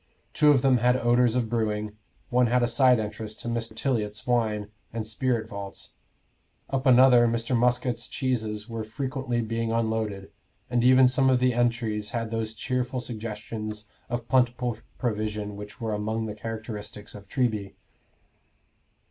Two of them had odors of brewing; one had a side entrance to Mr. Tiliot's wine and spirit vaults; up another Mr. Muscat's cheeses were frequently being unloaded; and even some of the entries had those cheerful suggestions of plentiful provision which were among the characteristics of Treby.